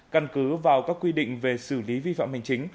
căn cứ vào các quy định về xử lý vi phạm hành chính